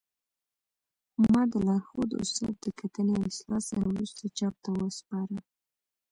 ما د لارښود استاد د کتنې او اصلاح څخه وروسته چاپ ته وسپاره